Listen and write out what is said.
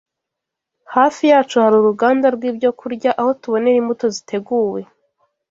Hafi yacu hari uruganda rw’ibyokurya, aho tubonera imbuto ziteguwe.